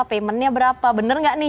payment nya berapa bener nggak nih